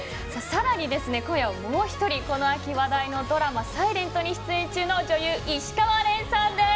更に、今夜はもう１人この秋話題のドラマ「ｓｉｌｅｎｔ」に出演中の女優・石川恋さんです。